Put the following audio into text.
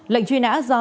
lệnh truy nã do